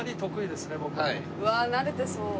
わあ慣れてそう。